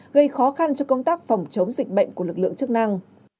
gây khó khăn cho công tác phòng chống dịch bệnh của lực lượng chức năng